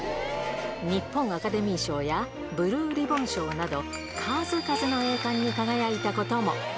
日本アカデミー賞やブルーリボン賞など、数々の栄冠に輝いたことも。